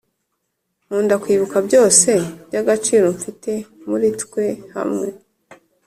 nkunda kwibuka byose byagaciro mfite muri twe hamwe